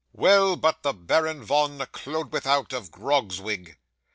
'Well, but the Baron Von Koeldwethout of Grogzwig!